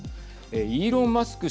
イーロン・マスク